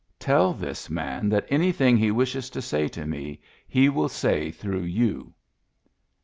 " Tell this man that any thing he wishes to say to me he will say through you."